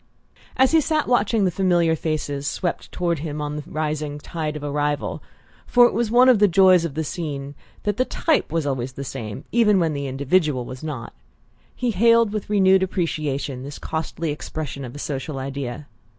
As he sat watching the familiar faces swept toward him on the rising tide of arrival for it was one of the joys of the scene that the type was always the same even when the individual was not he hailed with renewed appreciation this costly expression of a social ideal.